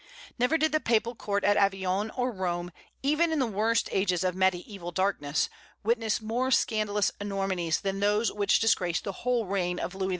Never did the Papal court at Avignon or Rome, even in the worst ages of mediaeval darkness, witness more scandalous enormities than those which disgraced the whole reign of Louis XV.